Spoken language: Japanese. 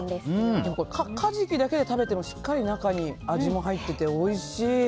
カジキだけで食べてもしっかり、中に味も入ってておいしい！